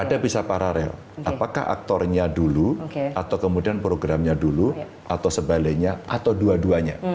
ada bisa paralel apakah aktornya dulu atau kemudian programnya dulu atau sebaliknya atau dua duanya